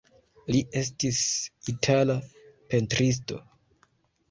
Li estis itala pentristo.